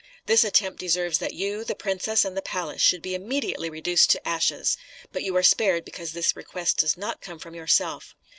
This attempt deserves that you, the princess, and the palace, should be immediately reduced to ashes; but you are spared because this request does not come from yourself.